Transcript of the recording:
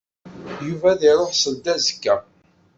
Yuba ad iṛuḥ seld azekka.